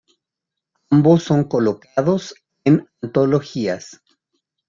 Ambos son colocados en antologías.